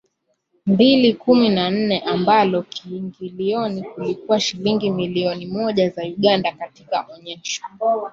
mbili kumi na nne ambalo kiingilioni kilikuwa shilingi milioni moja za Uganda Katika onesho